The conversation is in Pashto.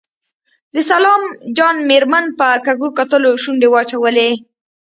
د سلام جان مېرمن په کږو کتلو شونډې واچولې.